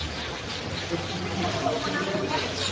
売却の決議はきょう行われる予定でしょうか？